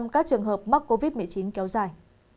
các trường hợp mắc covid một mươi chín kéo dài